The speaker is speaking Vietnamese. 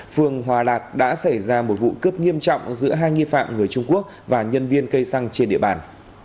phường hòa lạc đã xảy ra một vụ cướp nghiêm trọng giữa hai nghi phạm người trung quốc và nhân viên cây xăng trên địa bàn